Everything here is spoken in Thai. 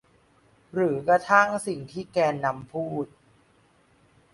หรือกระทั่งสิ่งที่แกนนำพูด